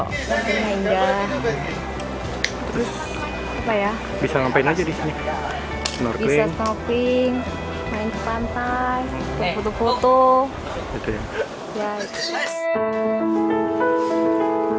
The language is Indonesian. terus bisa ngampein aja disana bisa snorkeling main ke pantai foto foto